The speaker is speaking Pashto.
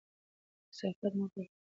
کثافات مه غورځوئ.